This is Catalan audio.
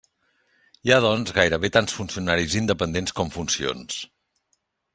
Hi ha, doncs, gairebé tants funcionaris independents com funcions.